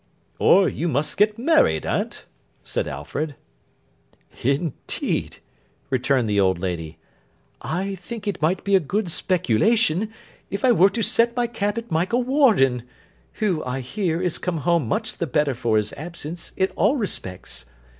'Or you must get married, Aunt,' said Alfred. 'Indeed,' returned the old lady, 'I think it might be a good speculation if I were to set my cap at Michael Warden, who, I hear, is come home much the better for his absence in all respects.